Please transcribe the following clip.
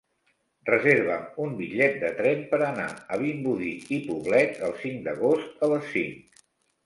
Reserva'm un bitllet de tren per anar a Vimbodí i Poblet el cinc d'agost a les cinc.